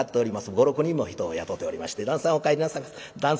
五六人の人を雇っておりまして「旦さんおかえりなさいませ」